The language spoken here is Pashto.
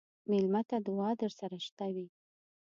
مېلمه ته دعا درسره شته وي.